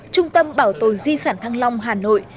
trung tâm bảo tồn di sản thăng long hà nội